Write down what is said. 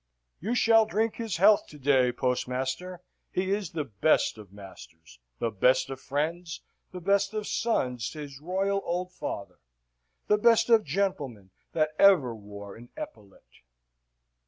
"You shall drink his health to day, Postmaster. He is the best of masters, the best of friends, the best of sons to his royal old father; the best of gentlemen that ever wore an epaulet."